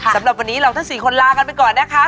สำหรับวันนี้เราทั้ง๔คนลากันไปก่อนนะคะ